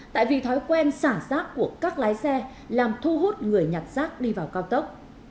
tại vì thói quen xả rác của các lái xe làm thu hút người nhặt rác đi vào cao tốc